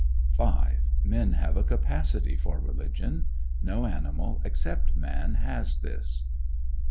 5. Men have a capacity for religion; no animal, except man, has this.